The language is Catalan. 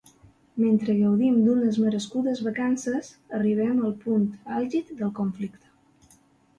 Mentre gaudim d’unes merescudes vacances, arribem al punt àlgid del conflicte.